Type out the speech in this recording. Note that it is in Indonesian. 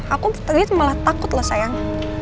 aku tadi malah takut loh sayang